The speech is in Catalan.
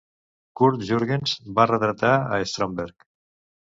Curt Jurgens va retratar a Stromberg.